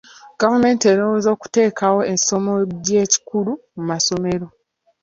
Gavumenti erowooza ku kuteekawo emisomo gy'ekikulu mu masomero.